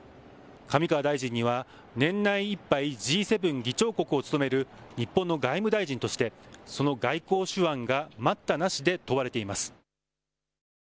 上川大臣には年内いっぱいＧ７議長国を務める日本の外務大臣としてその外交手腕が待ったなしで問われています。